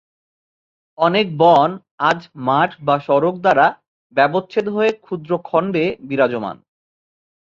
অনেক বন আজ মাঠ বা সড়ক দ্বারা ব্যবচ্ছেদ হয়ে ক্ষুদ্র খণ্ডে বিরাজমান।